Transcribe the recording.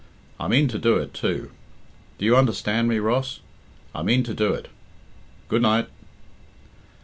I mean to do it, too. Do you understand me, Ross? I mean to do it. Good night!"